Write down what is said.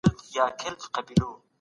د ده کیسې له شعار څخه خالي دي.